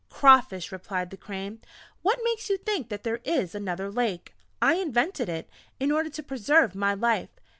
"Crawfish," replied the Crane, "what makes you think that there is another Lake? I invented it, in order to preserve my life.